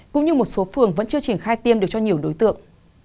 cũng như một số phường vẫn chưa triển khai tiêm được cho nhiều đối tượng